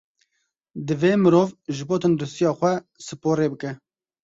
Divê mirov ji bo tenduristiya xwe sporê bike.